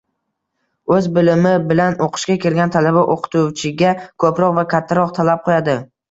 Oʻz bilimi bilan oʻqishga kirgan talaba oʻqituvchiga koʻproq va kattaroq talab qoʻyadi.